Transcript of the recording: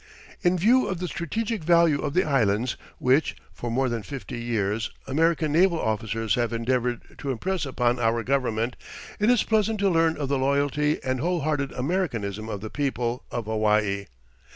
In view of the strategic value of the Islands, which, for more than fifty years, American naval officers have endeavoured to impress upon our Government, it is pleasant to learn of the loyalty and whole hearted Americanism of the people of Hawaii.